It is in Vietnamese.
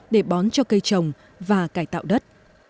để bón cho cây trồng và cải tạo đất